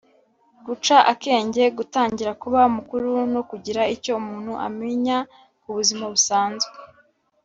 guca akenge: gutangira kuba mukuru no kugira icyo umuntu amenya ku buzima busanzwe